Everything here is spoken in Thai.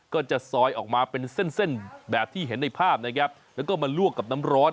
ก็จะซอยออกมาเป็นเส้นเส้นแบบที่เห็นในภาพนะครับแล้วก็มาลวกกับน้ำร้อน